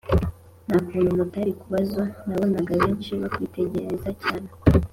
ntakuntu mutarikubazo nabonaga benshi bakwitegereza cyane